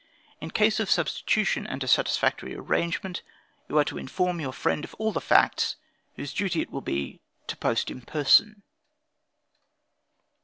In case of substitution and a satisfactory arrangement, you are then to inform your friend of all the facts, whose duty it will be to post in person.